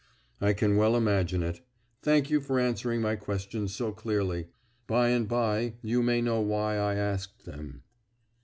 "I can well imagine it. Thank you for answering my questions so clearly. By and by you may know why I asked them."